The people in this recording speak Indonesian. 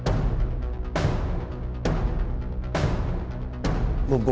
kamu sih kekal ke perl mississippi kan